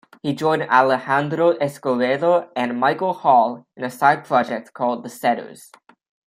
He joined Alejandro Escovedo and Michael Hall in a side project called the Setters.